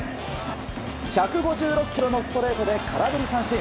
１５６キロのストレートで空振り三振。